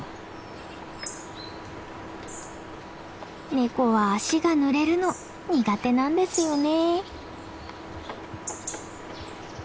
ネコは足がぬれるの苦手なんですよね。